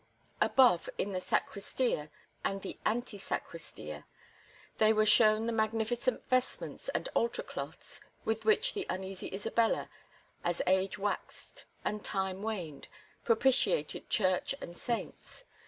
Above, in the Sacristia and Ante Sacristia, they were shown the magnificent vestments and altar cloths with which the uneasy Isabella, as age waxed and time waned, propitiated Church and saints.